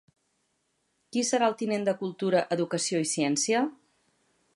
Qui serà el tinent de Cultura, Educació i Ciència?